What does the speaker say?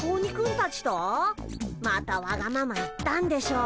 またわがまま言ったんでしょ。